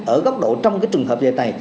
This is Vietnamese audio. ở góc độ trong cái trường hợp dạy này